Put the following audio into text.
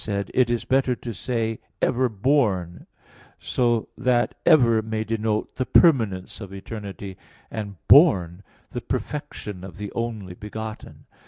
2:7] said, it is better to say "ever born," so that "ever" may denote the permanence of eternity, and "born" the perfection of the only Begotten.